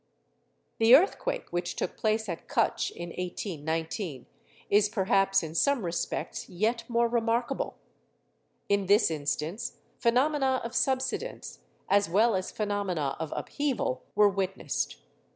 The earthquake which took place at Cutch in 1819 is perhaps in some respects yet more remarkable. In this instance, phenomena of subsidence, as well as phenomena of upheaval, were witnessed.